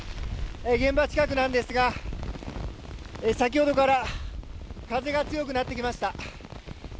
現場近くなんですが、先ほどから風が強くなってきました。